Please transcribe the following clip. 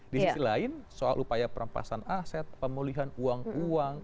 di sisi lain soal upaya perampasan aset pemulihan uang uang